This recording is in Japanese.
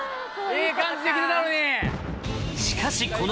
ええ感じできてたのに。